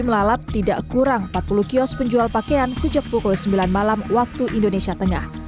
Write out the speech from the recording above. melalap tidak kurang empat puluh kios penjual pakaian sejak pukul sembilan malam waktu indonesia tengah